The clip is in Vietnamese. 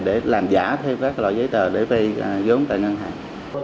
để làm giả thêm các loại giấy tờ để vây gớm tại ngân hàng